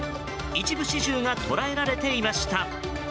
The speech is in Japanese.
一部始終が捉えられていました。